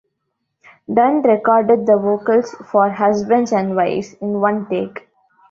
Dunn recorded the vocals for "Husbands and Wives" in one take.